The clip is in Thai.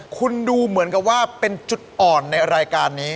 คุณดูเหมือนกับว่าเป็นจุดอ่อนในรายการนี้